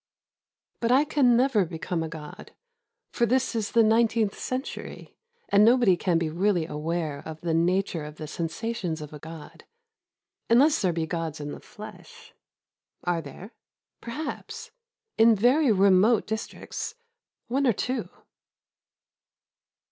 But I never can become a god, — for this is the nine teenth century; and nobody can be really aware of the nature of the sensations of a god — unless there be gods in the flesh. Are there? Perhaps — in very remote dis tricts — one or two.